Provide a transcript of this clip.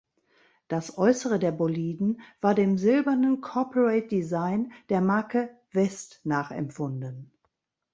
Das Äußere der Boliden war dem silbernen Corporate Design der Marke West nachempfunden.